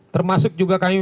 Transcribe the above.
termasuk juga kami